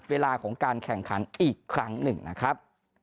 เวลาของการแข่งขันอีกครั้งหนึ่งนะครับ